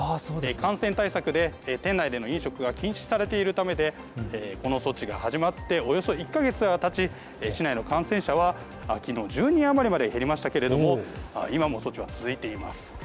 感染対策で店内での飲食が禁止されているためでこの措置が始まっておよそ１か月がたち市内の感染者はきのう、１０人余りまで減りましたけれども今も措置は続いています。